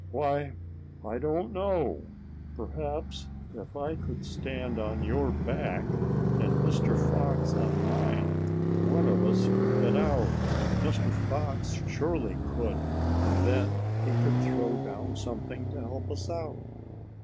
"Why, I don't know. Perhaps if I could stand on your back, and Mr. Fox on mine, one of us could get out. Mr. Fox surely could, and then he could throw down something to help us out."